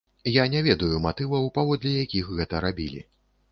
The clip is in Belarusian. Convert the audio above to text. Я не ведаю матываў, паводле якіх гэта рабілі.